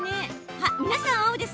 あ皆さん青ですね。